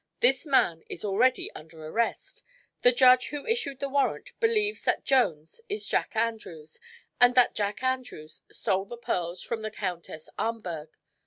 This man is already under arrest. The judge who issued the warrant believes that Jones is Jack Andrews and that Jack Andrews stole the pearls from the Countess Ahmberg.